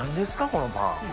このパン。